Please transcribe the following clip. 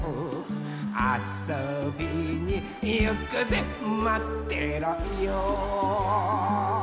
「あそびにいくぜまってろよ！」